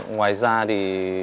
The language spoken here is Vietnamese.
ngoài ra thì